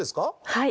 はい。